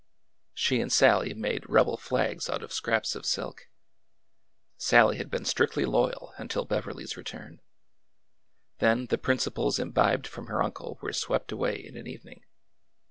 She and Sallie made rebel flags out of scraps of silk. 173 174 ORDER NO. 11 Sallie had been strictly loyal until Beverly's return. Then the principles imbibed from her uncle were swept away in an evening.